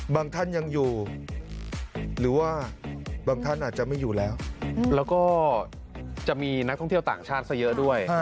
ท่านยังอยู่หรือว่าบางท่านอาจจะไม่อยู่แล้วแล้วก็จะมีนักท่องเที่ยวต่างชาติซะเยอะด้วย